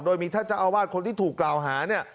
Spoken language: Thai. โดยมีท่านเจ้าอาวาสคนที่ถูกกล่าวหาเนี่ย